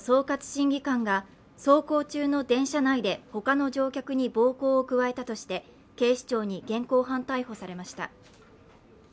審議官が走行中の電車内で他の乗客に暴行を加えたとして警視庁に現行犯逮捕されました。